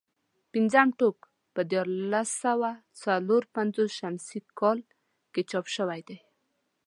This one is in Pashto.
پنځم ټوک په دیارلس سوه څلور پنځوس شمسي کال کې چاپ شوی دی.